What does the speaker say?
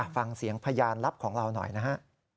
ฟังเสียงพยานลับของเราหน่อยนะฮะ